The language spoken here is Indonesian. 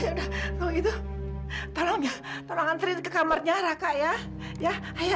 sudah itu tolong anterin ke kamarnya rakyat ya ayo ayo